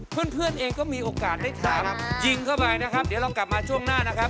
เพื่อนเองก็มีโอกาสได้ถามยิงเข้าไปนะครับเดี๋ยวเรากลับมาช่วงหน้านะครับ